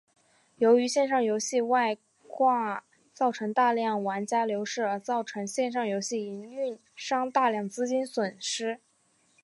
由于线上游戏外挂造成大量玩家流失而造成线上游戏营运商大量资金损失。